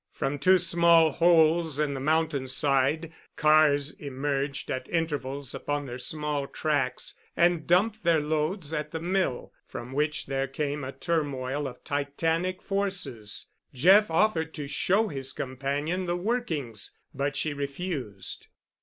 From two small holes in the mountain side cars emerged at intervals upon their small tracks and dumped their loads at the mill, from which there came a turmoil of titanic forces. Jeff offered to show his companion the workings, but she refused.